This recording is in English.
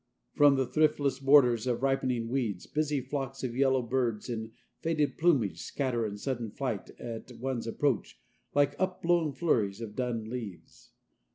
From the thriftless borders of ripening weeds busy flocks of yellowbirds in faded plumage scatter in sudden flight at one's approach like upblown flurries of dun leaves.